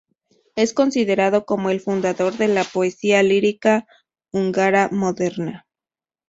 Es considerado como el fundador de la poesía lírica húngara moderna.